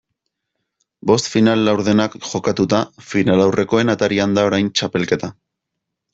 Bost final laurdenak jokatuta, finalaurrekoen atarian da orain txapelketa.